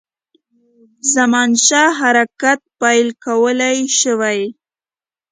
زمانشاه حرکت پیل کولای شوای.